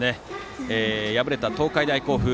敗れた東海大甲府